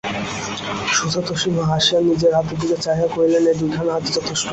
সুচেতসিংহ হাসিয়া নিজের হাতের দিকে চাহিয়া কহিলেন এই দুইখানা হাতই যথেষ্ট।